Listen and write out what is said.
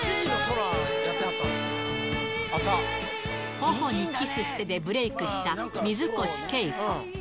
ほほにキスしてでブレークした水越けいこ。